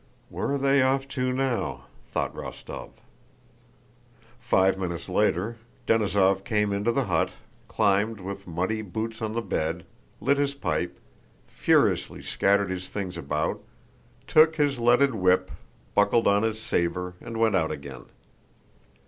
"Where are they off to now?" thought Rostóv. Five minutes later, Denísov came into the hut, climbed with muddy boots on the bed, lit his pipe, furiously scattered his things about, took his leaded whip, buckled on his saber, and went out again.